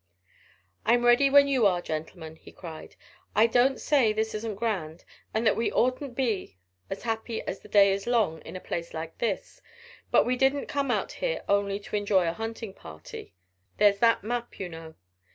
"I'm ready when you are, gentlemen," he cried. "I don't say this isn't grand, and that we oughtn't to be as happy as the day is long in a place like this, but we didn't come out here only to enjoy a hunting party. There's that map, you know."